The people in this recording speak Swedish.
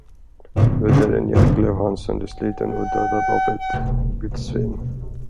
Under en jakt blev han söndersliten och dödad av ett vildsvin.